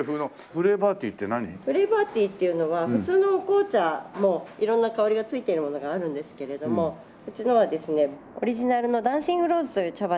フレーバーティーっていうのは普通のお紅茶も色んな香りがついてるものがあるんですけれどもうちのはですねオリジナルのダンシングローズという茶葉で。